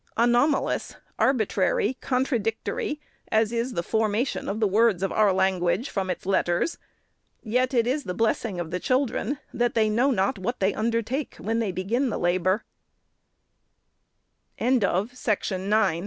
Anomalous, arbitrary, contradictory, as is the formation of the words of our language from its letters, yet it is the blessing of the children, that they know not what they undertake, when they begin